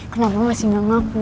kenapa masih gak ngaku